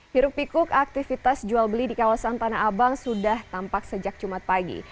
hiruk pikuk aktivitas jual beli di kawasan tanah abang sudah tampak sejak jumat pagi